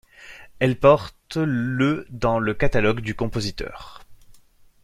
Elle porte le dans le catalogue du compositeur.